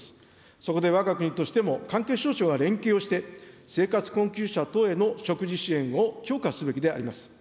そこでわが国としても、関係省庁が連携をして、生活困窮者等への食事支援を強化すべきであります。